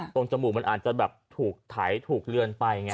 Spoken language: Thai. จมูกมันอาจจะแบบถูกไถถูกเลือนไปไง